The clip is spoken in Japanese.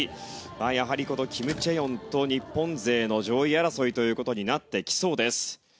やはりこのキム・チェヨンと日本勢の上位争いということになってきそうです。